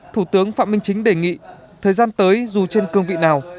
thủ tướng phạm minh chính đề nghị thời gian tới dù trên cương vị nào